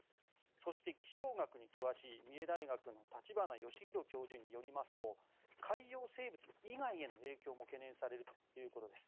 そして、気象学に詳しい三重大学の立花義裕教授によりますと海洋生物以外への影響も懸念されるということです。